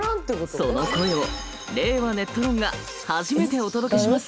その声を「令和ネット論」が初めてお届けします。